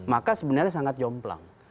maka sebenarnya sangat jomplang